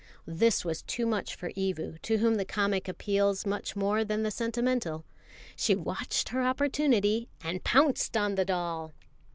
This was too much for Evu, to whom the comic appeals much more than the sentimental. She watched her opportunity, and pounced upon the doll.